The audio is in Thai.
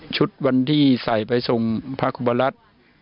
ชุดวันที่ใส่ไปส่งพระคุบรัฐ